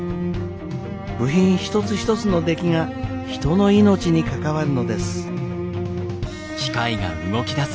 部品一つ一つの出来が人の命に関わるのです。